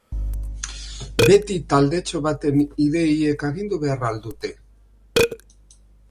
Beti taldetxo baten ideiek agindu behar al dute?